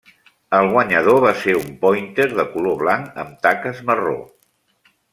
El guanyador va ser un pòinter de color blanc amb taques marró.